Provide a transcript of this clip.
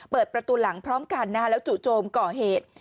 เปิดประตูหลังพร้อมกันแล้วจู่โจมก่อเหตุ